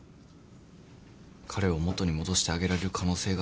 彼を元に戻してあげられる可能性があるのに。